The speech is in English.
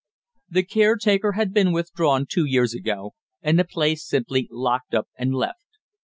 The caretaker had been withdrawn two years ago, and the place simply locked up and left.